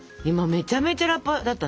めちゃめちゃラッパーだった？